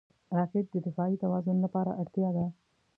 راکټ د دفاعي توازن لپاره اړتیا ده